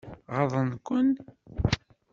Ɣaḍent-ken?